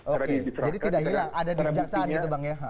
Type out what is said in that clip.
oke jadi tidak hilang ada di kejaksaan gitu bang ya